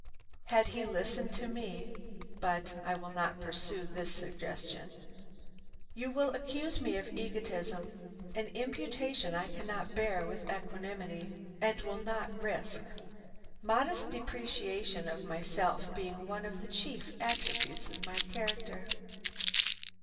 Had he listened to me But I will not pursue this suggestion. You will accuse me of egotism, an imputation I cannot bear with equanimity and will not risk; modest depreciation of myself being one of the chief attributes of my character.